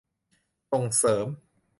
ส่งเสริม